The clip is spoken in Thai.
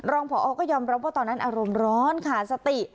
ผอก็ยอมรับว่าตอนนั้นอารมณ์ร้อนขาดสติ